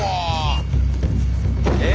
えっ！